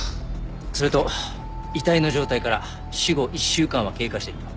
それと遺体の状態から死後１週間は経過していると。